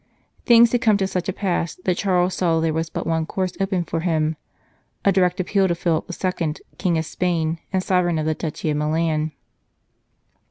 Things had come to such a pass that Charles saw there was but one course open for him a direct appeal to Philip II., King of Spain, and Sovereign of the Duchy of Milan.